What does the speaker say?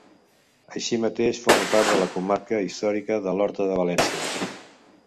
Així mateix forma part de la comarca històrica de l'Horta de València.